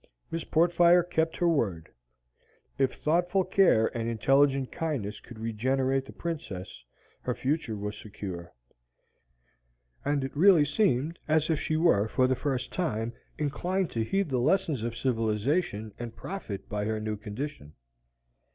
Miss Portfire kept her word. If thoughtful care and intelligent kindness could regenerate the Princess, her future was secure. And it really seemed as if she were for the first time inclined to heed the lessons of civilization and profit by her new condition.